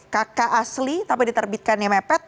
kk asli tapi diterbitkannya mepet